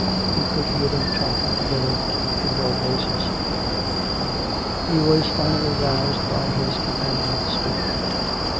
He could hear them talking together in low voices. He was finally roused by his companion's speaking.